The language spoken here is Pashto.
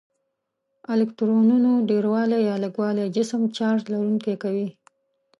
الکترونونو ډیروالی یا لږوالی جسم چارج لرونکی کوي.